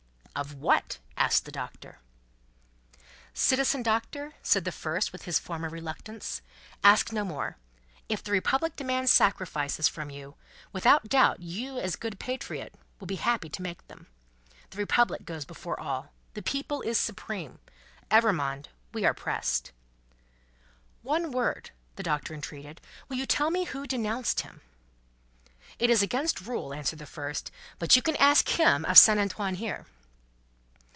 "Of what?" asked the Doctor. "Citizen Doctor," said the first, with his former reluctance, "ask no more. If the Republic demands sacrifices from you, without doubt you as a good patriot will be happy to make them. The Republic goes before all. The People is supreme. Evrémonde, we are pressed." "One word," the Doctor entreated. "Will you tell me who denounced him?" "It is against rule," answered the first; "but you can ask Him of Saint Antoine here."